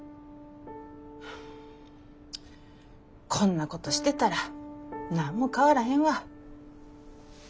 こんなことしてたら何も変わらへんわ。